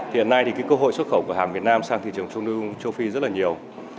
hiện nay thì cơ hội xuất khẩu của hàng việt nam sang thị trường trung đông và châu phi rất là nhiều